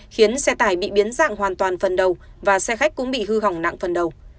khiến xe tải bị biến dạng hoàn toàn phần đầu và xe khách cũng bị hư hỏng nặng phần đầu